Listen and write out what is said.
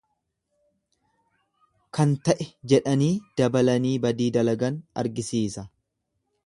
Kan ta'e jedhanii dabalanii badii dalagan argisiisa.